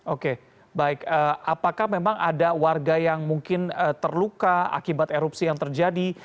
oke baik apakah memang ada warga yang mungkin terluka akibat erupsi yang terjadi